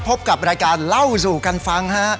พบกับรายการเล่าสู่กันฟังฮะ